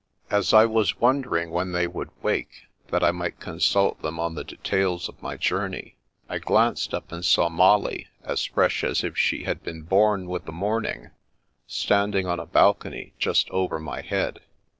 As I was wondering when they would wake, that I might consult them on the details of my journey, I glanced up and saw Molly, as fresh as if she had been bom with the morning, standing on a balcony just over my head.